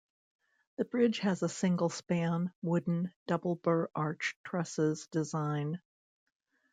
The bridge has a single span, wooden, double Burr arch trusses design.